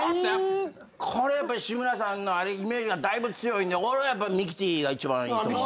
これやっぱ志村さんのイメージがだいぶ強いんで俺はやっぱミキティが一番いいと思う。